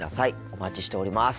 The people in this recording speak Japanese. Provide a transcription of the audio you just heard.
お待ちしております。